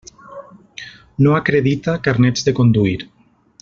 No acredita carnets de conduir.